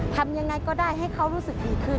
ทำยังไงก็ได้ให้เขารู้สึกดีขึ้น